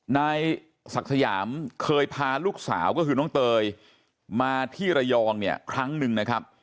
นายศักดิ์สยามเคยพาลูกสาวก็คือน้องเตยมาที่ระยองเนี่ยครั้งหนึ่งนะครับ